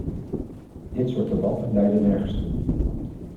Dit soort debatten leiden nergens toe.